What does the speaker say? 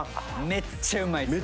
めっちゃうまいっすこれ。